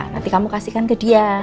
nanti kamu kasihkan ke dia